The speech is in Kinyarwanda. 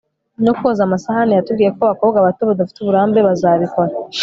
no koza amasahani. yatubwiye ko abakobwa bato, badafite uburambe bazabikora